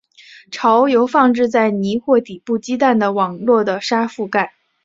巢由放置在泥或底部鸡蛋的网络的沙覆盖。